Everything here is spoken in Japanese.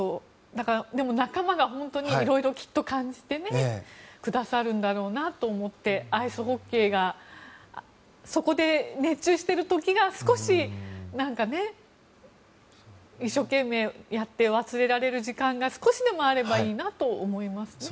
だから仲間が色々きっと感じてくださるんだなとアイスホッケーがそこで熱中してる時が一生懸命やって忘れられる時間が少しでもあればいいなと思いますね。